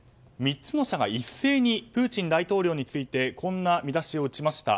３つの社が一斉にプーチン大統領についてこんな見出しを打ちました。